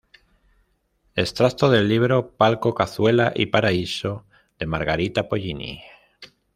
Extracto del libro "Palco, cazuela y paraíso" de Margarita Pollini